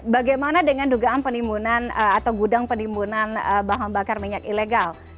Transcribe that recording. bagaimana dengan dugaan penimbunan atau gudang penimbunan bahan bakar minyak ilegal